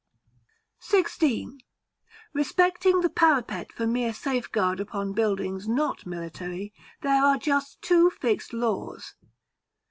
§ XVI. Respecting the Parapet for mere safeguard upon buildings not military, there are just two fixed laws.